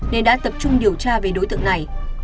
nên đã tập trung điều tra về đối tượng này